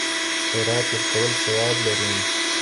خیرات ورکول ثواب لري.